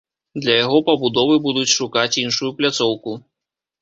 Для яго пабудовы будуць шукаць іншую пляцоўку.